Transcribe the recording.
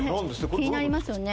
「気になりますよね」